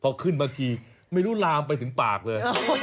พอขึ้นมาทีไม่รู้ลามไปถึงปากเลย